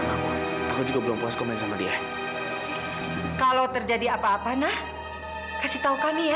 nggak apa apa kalau terjadi apa apa nah kasih tahu kami ya